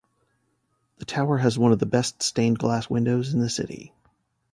The tower has one of the best stained glass windows in the city.